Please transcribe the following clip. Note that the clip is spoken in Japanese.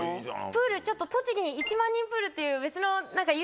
プールちょっと栃木に一万人プールっていう別の何か。